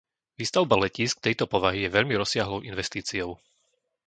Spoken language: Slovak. Výstavba letísk tejto povahy je veľmi rozsiahlou investíciou.